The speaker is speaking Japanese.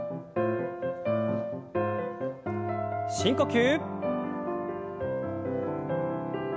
深呼吸。